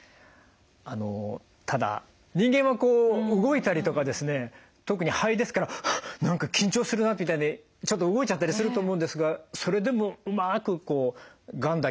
あのただ人間はこう動いたりとかですね特に肺ですから「はっ何か緊張するな」みたいにちょっと動いちゃったりすると思うんですがそれでもうまくがんだけを狙い撃ちできるんですか？